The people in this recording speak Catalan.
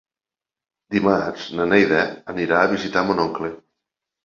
Dimarts na Neida anirà a visitar mon oncle.